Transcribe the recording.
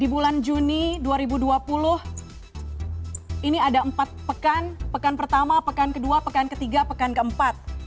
di bulan juni dua ribu dua puluh ini ada empat pekan pekan pertama pekan kedua pekan ketiga pekan keempat